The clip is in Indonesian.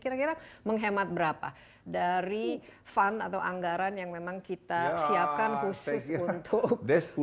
kira kira menghemat berapa dari fund atau anggaran yang memang kita siapkan khusus untuk